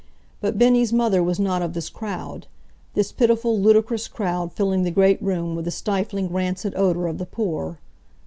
But Bennie's mother was not of this crowd; this pitiful, ludicrous crowd filling the great room with the stifling, rancid odor of the poor.